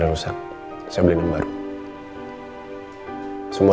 ganti awak kan tren namanya